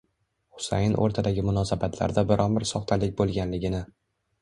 Husayin o'rtadagi munosabatlarda biron-bir soxtalik bo'lganligini